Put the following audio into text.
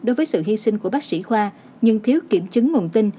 đối với sự hy sinh của bác sĩ khoa nhưng thiếu kiểm chứng nguồn tin